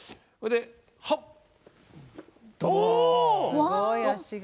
すごい足が。